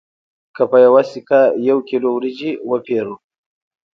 که په یوه سکه یو کیلو وریجې وپېرو